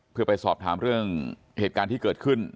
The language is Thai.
เพื่อไปสอบถามเรื่องเหตุการณ์ที่เกิดขึ้น